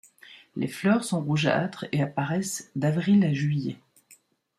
Les fleurs sont rougeâtres et apparaissent d'avril à juillet.